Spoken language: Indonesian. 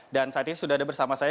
dan saat ini sudah ada bersama saya